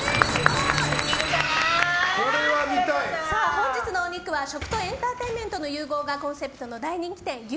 本日のお肉は食とエンターテインメントの融合がコンセプトの大人気店牛